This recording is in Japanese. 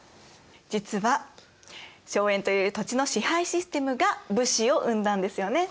実は荘園という土地の支配システムが武士を生んだんですよね先生？